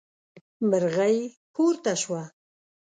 مرغۍ پورته شوه.